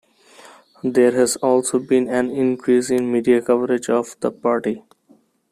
There has also been an increase in media coverage of the party.